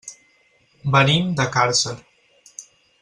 Venim de Càrcer.